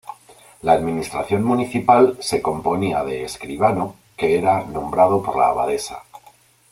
La administración municipal se componía de escribano, que era nombrado por la abadesa.